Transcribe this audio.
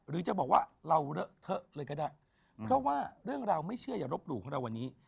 หรือจะบอกว่าเราเลอะเทอะเลยก็ได้เพราะว่าเรื่องราวไม่เชื่ออย่าลบหลู่ของเราวันนี้